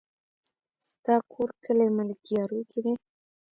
ستا کور کلي ملكيارو کې دی؟